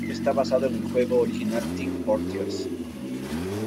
Está basado en el juego original Team Fortress.